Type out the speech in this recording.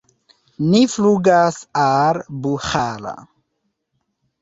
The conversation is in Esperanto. Ni flugas al Buĥara.